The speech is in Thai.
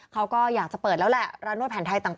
เขาก็อยากจะเปิดแล้วแหละร้านนวดแผนไทยต่าง